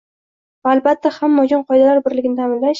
Va, albatta, hamma uchun qoidalar birligini ta'minlash